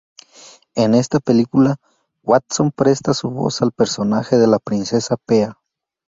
En esta película, Watson presta su voz al personaje de la princesa Pea.